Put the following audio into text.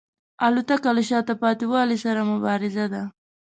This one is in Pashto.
الوتکه له شاته پاتې والي سره مبارزه ده.